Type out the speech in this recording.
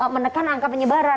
menekan angka penyebabnya